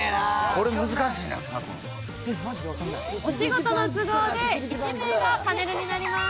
これ難しいな多分お仕事の都合で１名がパネルになります